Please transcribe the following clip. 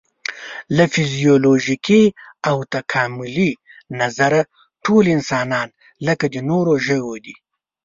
له فزیولوژیکي او تکاملي نظره ټول انسانان لکه د نورو ژوو دي.